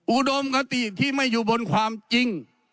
อุดมคติที่ไม่อยู่บนความจริง